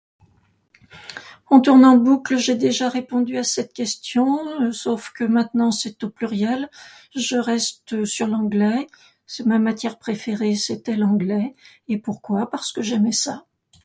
On tourne en boucle, j'ai déjà répondu à cette question, sauf que maintenant c'est au pluriel, je reste sur l'anglais, c'est ma matière préférée, c'était l'anglais et pourquoi, parce que j'aimais ça.